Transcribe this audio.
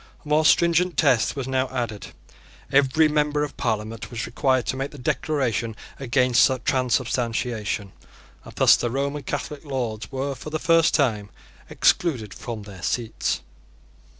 A more stringent test was now added: every member of Parliament was required to make the Declaration against Transubstantiation; and thus the Roman Catholic Lords were for the first time excluded from their seats.